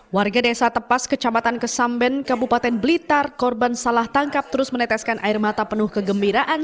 warga desa tepas kecamatan kesamben kabupaten blitar korban salah tangkap terus meneteskan air mata penuh kegembiraan